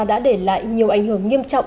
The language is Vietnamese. đã để lại nhiều ảnh hưởng nghiêm trọng